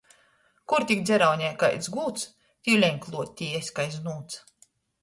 Kur tik dzeraunē kaids gūds, tiuleņ kluot tī es kai znūts.